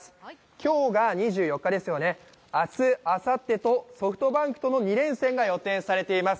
今日が２４日ですよね、明日、あさってとソフトバンクとの２連戦が予定されています。